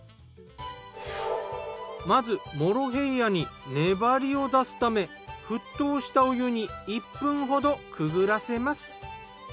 まずモロヘイヤに粘りを出すため沸騰したお湯に１分ほどくぐらせます。